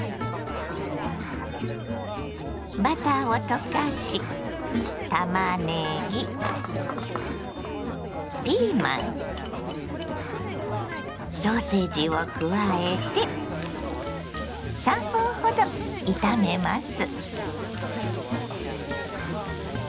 バターを溶かしたまねぎピーマンソーセージを加えて３分ほど炒めます。